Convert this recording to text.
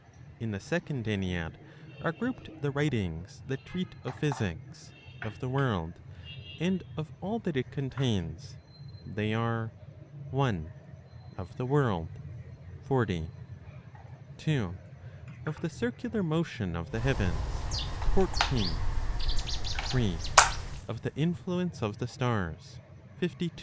In the Second Ennead are grouped the writings that treat of Physics, of the World, and of all that it contains. They are: 1. (Of the World), 40. 2. Of the (Circular) Motion (of the Heavens), 14. 3. Of the Influence of the Stars, 52. 4.